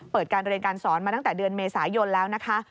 เปิดการเรียนการสอนมาตั้งแต่เดือนเมษายนแล้วนะคะ